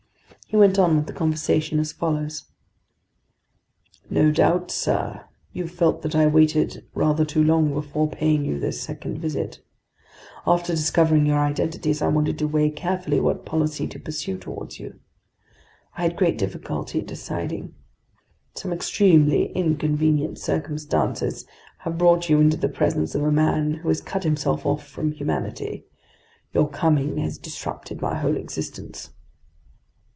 He went on with the conversation as follows: "No doubt, sir, you've felt that I waited rather too long before paying you this second visit. After discovering your identities, I wanted to weigh carefully what policy to pursue toward you. I had great difficulty deciding. Some extremely inconvenient circumstances have brought you into the presence of a man who has cut himself off from humanity. Your coming has disrupted my whole existence."